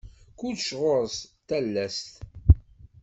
Kullec ɣur-s talast.